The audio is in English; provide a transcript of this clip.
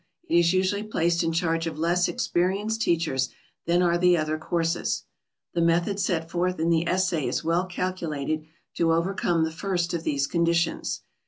It is usually placed in charge of less experienced teachers than are the other courses. The method set forth in the essay is well calculated to overcome the first of these conditions.